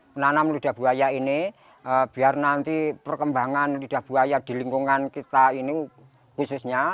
menanam lidah buaya ini biar nanti perkembangan lidah buaya di lingkungan kita ini khususnya